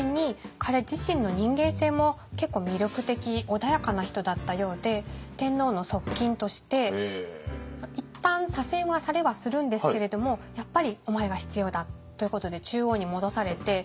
穏やかな人だったようで天皇の側近としていったん左遷はされはするんですけれどもやっぱりお前が必要だということで中央に戻されて。